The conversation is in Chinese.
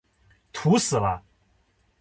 土死了！